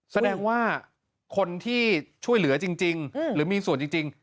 แสดงว่าคนที่ช่วยเหลือจริงหรือมีส่วนจริง